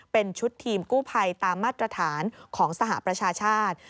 เป็นชุดทีมกู้ภัยตามมาตรฐานของสหประชาชาติ